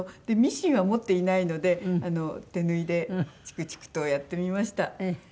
でミシンは持っていないので手縫いでチクチクとやってみました。